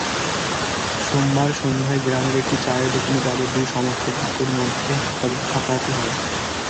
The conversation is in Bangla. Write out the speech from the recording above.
সোমবার সন্ধ্যায় গ্রামের একটি চায়ের দোকানে তাঁদের দুই সমর্থকের মধ্যে হাতাহাতি হয়।